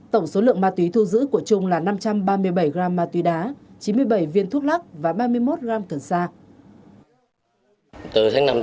tổng số lượng ma túy thu giữ của trung là năm trăm ba mươi bảy gram ma túy đá chín mươi bảy viên thuốc lắc và ba mươi một